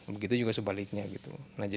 begitu juga sebaliknya gitu